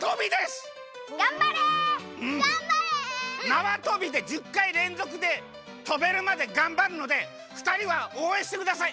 なわとびで１０かいれんぞくでとべるまでがんばるのでふたりはおうえんしてください。